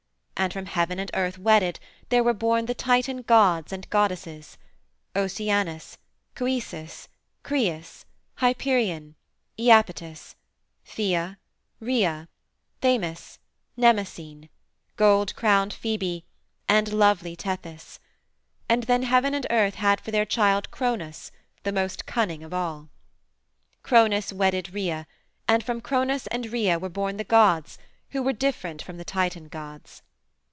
And from Heaven and Earth wedded there were born the Titan gods and goddesses Oceanus, Coeus, Crius, Hyperion, Iapetus; Theia, Rhea, Themis, Mnemosyne, gold crowned Phoebe, and lovely Tethys. And then Heaven and Earth had for their child Cronos, the most cunning of all. Cronos wedded Rhea, and from Cronos and Rhea were born the gods who were different from the Titan gods.